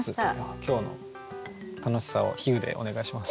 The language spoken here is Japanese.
今日の楽しさを比喩でお願いします。